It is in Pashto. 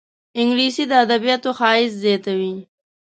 انګلیسي د ادبياتو ښایست زیاتوي